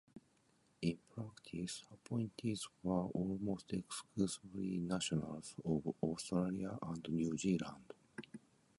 In practice, appointees were almost exclusively nationals of Australia and New Zealand.